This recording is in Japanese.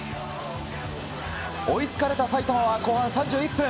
追いつかれた埼玉は後半３１分。